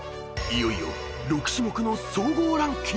［いよいよ６種目の］